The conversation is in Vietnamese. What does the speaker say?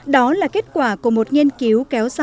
đó là kết quả của một nghiên cứu kéo dài tới một mươi năm